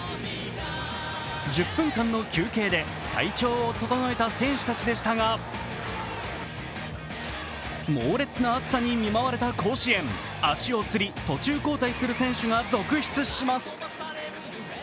１０分間の休憩で体調を整えた選手たちでしたが猛烈な暑さに見舞われた甲子園、足をつり、途中交代する選手が続出します。